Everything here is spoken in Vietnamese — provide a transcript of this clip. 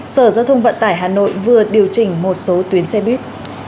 sở giao thông vận tải hà nội vừa điều chỉnh một số tuyến xe buýt